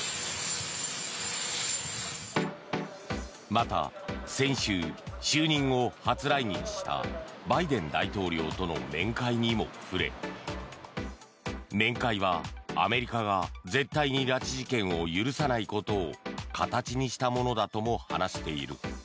また先週、就任後初来日したバイデン大統領との面会にも触れ面会はアメリカが絶対に拉致事件を許さないことを形にしたものだとも話している。